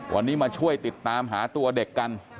วันนี้มาช่วยติดตามหาตัวเด็กกัน